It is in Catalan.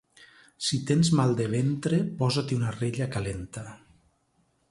Si tens mal de ventre, posa-t'hi una rella calenta.